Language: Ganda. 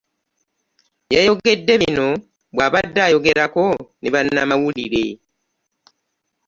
Yayogedde bino bw'abadde ayogerako ne bannamawulire